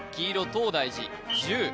東大寺１０